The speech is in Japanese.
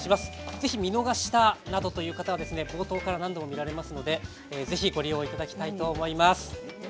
ぜひ見逃した！などという人は冒頭から何度も見られますのでぜひご利用いただきたいと思います。